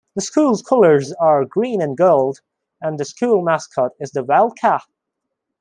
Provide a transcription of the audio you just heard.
The school's colors are green and gold and the school mascot is the Wildcat.